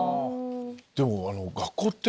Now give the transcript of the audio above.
でも学校って。